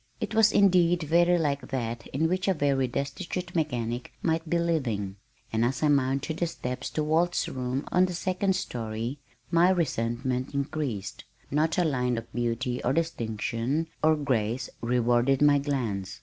It was indeed very like that in which a very destitute mechanic might be living, and as I mounted the steps to Walt's room on the second story my resentment increased. Not a line of beauty or distinction or grace rewarded my glance.